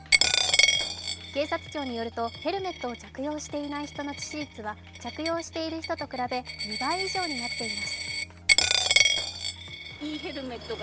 警察庁によるとヘルメットを着用していない人の致死率は着用している人と比べ２倍以上になっています。